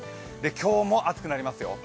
今日も暑くなりますよ。